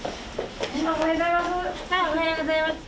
おはようございます。